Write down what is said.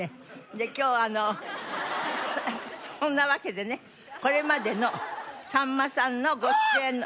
で今日そんなわけでねこれまでのさんまさんのご出演の。